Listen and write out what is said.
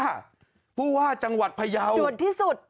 ฮูว่าจังหวัดภายาวที่สุด